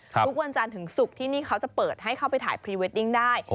ทุกวันจันทร์ถึงศุกร์ที่นี่เขาจะเปิดให้เข้าไปถ่ายพรีเวดดิ้งได้